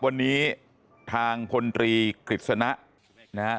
วันนี้ทางพลตรีกฤษณะนะฮะ